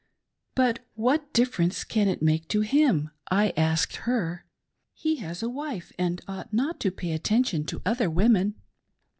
''" But what difference can it make to him," I asked her ;" he has a wife and ought not to pay attention to other women."